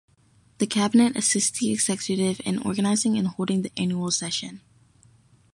The Cabinet assists the Executive in organizing and holding the Annual Session.